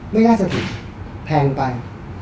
ไม่หน้าเสถียิทธิ์แพงไป